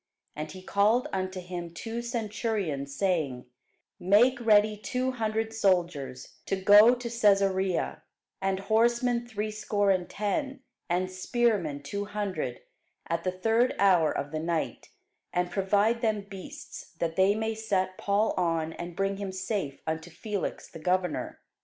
And he called unto him two centurions, saying, Make ready two hundred soldiers to go to Cæsarea, and horsemen threescore and ten, and spearmen two hundred, at the third hour of the night; and provide them beasts, that they may set Paul on, and bring him safe unto Felix the governor.